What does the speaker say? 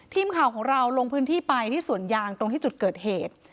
ทีมข่าวของเราลงพื้นที่ไปที่สวนยางตรงที่จุดเกิดเหตุ